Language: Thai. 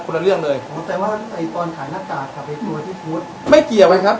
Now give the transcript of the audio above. แต่ว่าตอนถ่ายหน้ากากกับไอ้ตัวที่โพสต์ไม่เกี่ยวไอ้ครับ